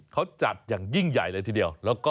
เขาจัดอย่างยิ่งใหญ่เลยทีเดียว